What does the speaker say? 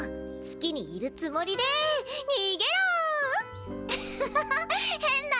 月にいるつもりでにげろ！